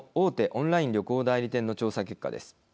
オンライン旅行代理店の調査結果です。